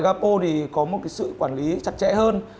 gapo thì có một sự quản lý chặt chẽ hơn